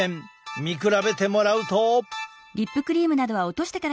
見比べてもらうと。